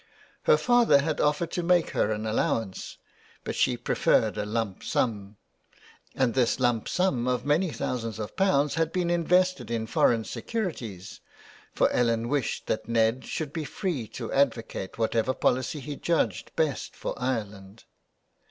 Her father had offered to make her an allowance, but she preferred a lumpsum, and this lump sum of many thousands of pounds had been invested in foreign securities, for Ellen wished that Ned should be free to advocate whatever policy he judged best for Ireland.